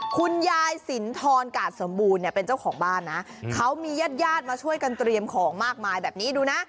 คุณยายสินทรกาดสมบูรณ์เนี่ยเป็นเจ้าของบ้านนะเขามีญาติญาติมาช่วยกันเตรียมของมากมายแบบนี้ดูนะ